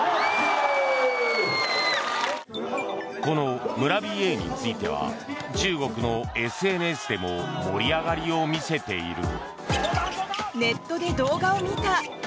この村ＢＡについては中国のＳＮＳでも盛り上がりを見せている。